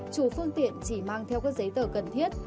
chủ phương tiện chỉ mang theo các giấy tờ cần thiết